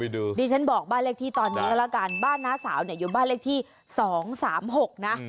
ดิฉันบอกบ้านเลขที่ตอนนี้ก็แล้วกันบ้านน้าสาวเนี่ยอยู่บ้านเลขที่๒๓๖นะ